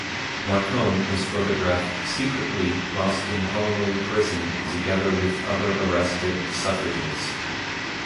Marcon was photographed secretly whilst in Holloway prison together with other arrested suffragettes.